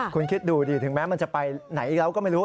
คุณคิดดูดิถึงแม้มันจะไปไหนอีกแล้วก็ไม่รู้